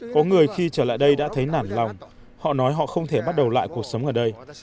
có người khi trở lại đây đã thấy nản lòng họ nói họ không thể bắt đầu lại cuộc sống ở đây